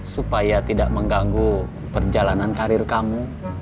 supaya tidak mengganggu perjalanan karir kamu